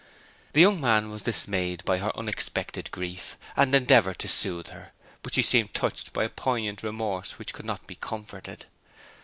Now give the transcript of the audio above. The young man was dismayed by her unexpected grief, and endeavoured to soothe her; but she seemed touched by a poignant remorse which would not be comforted.